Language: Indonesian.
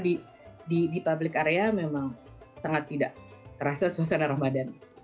karena di public area memang sangat tidak terasa suasana ramadan